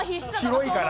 広いから。